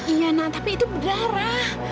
iya nah tapi itu berdarah